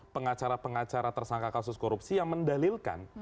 pengacara pengacara tersangka kasus korupsi yang mendalilkan